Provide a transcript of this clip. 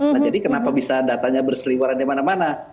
nah jadi kenapa bisa datanya berseliwaran di mana mana